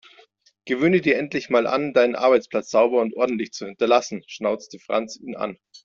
Gewöhne dir endlich mal an, deinen Arbeitsplatz sauber und ordentlich zu hinterlassen, schnauzte Franz ihn an.